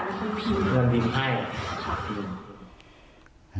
คนภิมิใช่